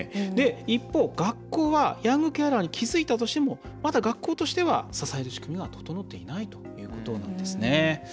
一方、学校はヤングケアラーに気付いたとしてもまだ学校としては支える仕組みが整っていないということなんです。